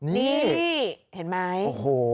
นี่เห็นไหมโอ้โห